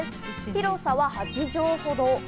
広さは８畳ほど。